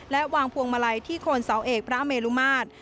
และวางพวงมาลัยที่โคนเสาเอกพระเมลุมาตร